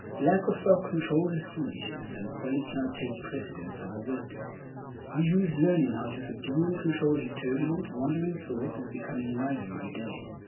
Lack of self control is foolishness, and folly cannot take precedence over wisdom. He who is learning how to subdue and control his turbulent, wandering thoughts is becoming wiser every day.